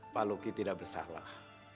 pak luki tidak bersalah